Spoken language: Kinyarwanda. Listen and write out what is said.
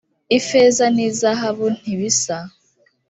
ifeza n ‘izahabu ntibisa.